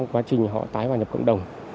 khi họ tái vào nhập cộng đồng